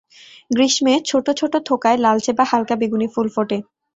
গ্রীষ্মে ছোট ছোট থোকায় লালচে বা হালকা বেগুনি ফুল ফোটে।